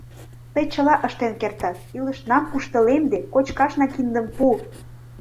Тый чыла ыштен кертат, илышнам куштылемде, кочкашна киндым пу».